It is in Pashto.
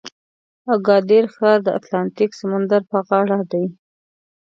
اګادیر ښار د اتلانتیک سمندر په غاړه دی.